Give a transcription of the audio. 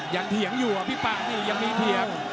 เถียงอยู่อ่ะพี่ปากนี่ยังมีเถียง